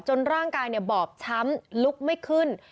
ร่างกายบอบช้ำลุกไม่ขึ้น